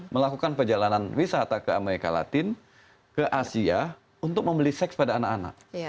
melakukan perjalanan wisata ke amerika latin ke asia untuk membeli seks pada anak anak